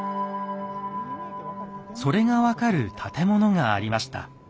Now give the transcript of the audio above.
それが分かる建物がありました。